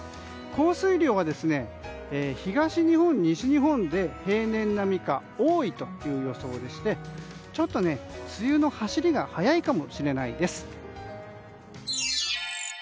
降水量は、東日本、西日本で平年並みか多いという予想でしてちょっと梅雨の走りが早いかもしれないです。